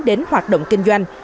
đến hoạt động kinh doanh